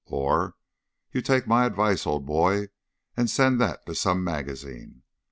or, "You take my advice, old boy, and send that to some magazine!"